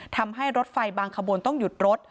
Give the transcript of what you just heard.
ทำให้รถไฟบางขบวนต้องหยุดรถ